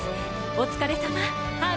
お疲れさまハーミット。